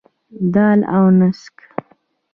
دال او نسک.